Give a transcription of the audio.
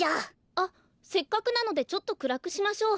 あっせっかくなのでちょっとくらくしましょう。